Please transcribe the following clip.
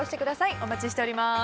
お待ちしております。